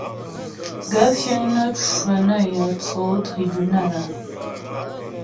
Gaə̂ fíŋ nə́ cwə nə yə̂ tsó tribúnal a ?